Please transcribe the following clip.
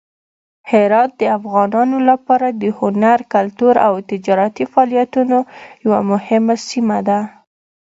هرات د افغانانو لپاره د هنر، کلتور او تجارتي فعالیتونو یوه مهمه سیمه ده.